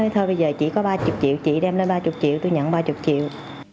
thôi bây giờ chỉ có ba mươi triệu chị đem lên ba mươi triệu tôi nhận ba mươi triệu